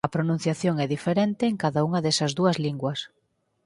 A pronunciación é diferente en cada unha desas dúas linguas.